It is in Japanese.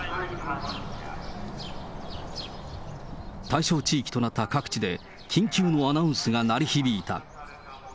対象地域となった各地で、緊急のアナウンスが鳴り響いた。